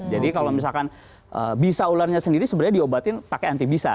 jadi kalau misalkan bisa ularnya sendiri sebenarnya diobatin pakai anti bisa